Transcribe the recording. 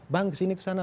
bang kesini kesana